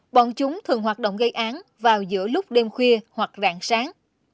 bọn chúng thường hoạt động gây án vào giữa lúc đêm khuya hoặc rạng sáng